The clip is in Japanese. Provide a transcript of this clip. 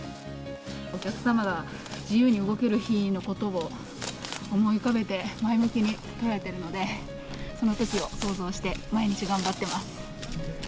お客様が自由に動ける日のことを思い浮かべて、前向きに捉えているので、そのときを想像して、毎日頑張ってます。